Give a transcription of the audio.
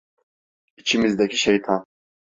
İçimizdeki Şeytan.